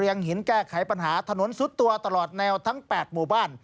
ยังหินแก้ไขปัญหาถนนซุดตัวตลอดแนวทั้ง๘หมู่บ้าน